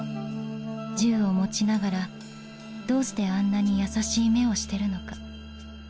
銃を持ちながらどうしてあんなに優しい目をしてるのか。